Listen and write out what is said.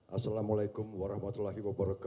assalamualaikum warahmatullahi wabarakatuh